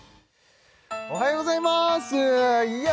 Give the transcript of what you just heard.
おはようございますいや